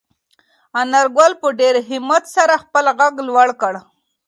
انارګل په ډېر همت سره خپل غږ لوړ کړ.